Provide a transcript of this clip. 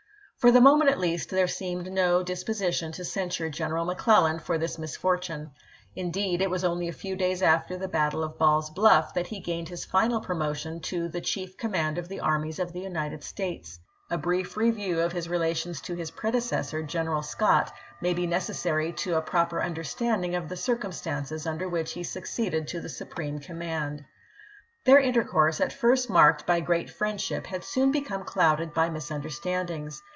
For the moment, at least, there seemed no dis position to censure General McClellan for this mis fortune. Indeed, it was only a few days after the battle of Ball's Bluff that he gained his final pro motion to the chief command of the armies of the United States. A brief review of his relations to his predecessor. General Scott, may be necessary THE ARMY OF THE POTOMAC 461 to a proper understanding of the circumstances under which he succeeded to the supreme com mand. Their intercourse, at first marked by great friendship, had soon become clouded by misun derstandings.